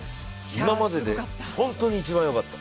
今まででホントに一番よかった。